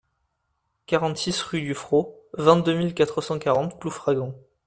quarante-six rue du Fros, vingt-deux mille quatre cent quarante Ploufragan